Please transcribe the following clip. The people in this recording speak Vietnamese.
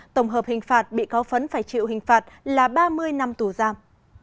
tổng hợp hình phạt bị cáo phấn phải chịu hình phạt là ba mươi năm tù giam